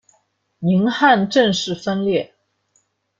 宁汉正式分裂。